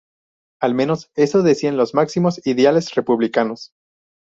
Al menos eso decían los máximos ideales republicanos.